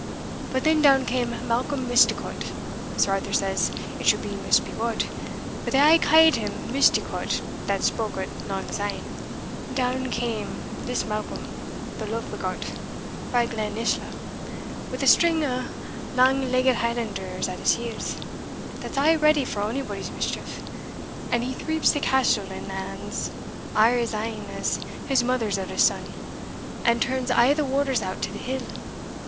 But then down came Malcolm Misticot (Sir Arthur says it should be Misbegot, but they aye ca'd him Misticot that spoke o't lang syne) down cam this Malcolm, the love begot, frae Glen isla, wi' a string o' lang legged Highlanders at his heels, that's aye ready for onybody's mischief, and he threeps the castle and lands are his ain as his mother's eldest son, and turns a' the Wardours out to the hill.